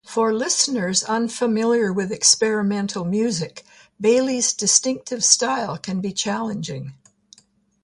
For listeners unfamiliar with experimental music, Bailey's distinctive style can be challenging.